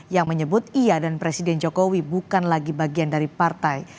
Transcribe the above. yang menyebut ia dan presiden jokowi bukan lagi bagian dari partai